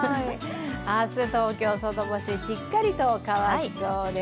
明日、東京外干し、しっかりと乾きそうです。